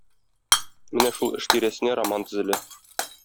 Менә шул эш тирәсенә роман төзелә.